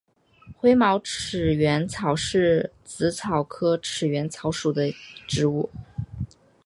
灰毛齿缘草是紫草科齿缘草属的植物。